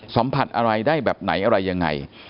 สัมผัสอะไรได้แบบไหนอะไรยังไง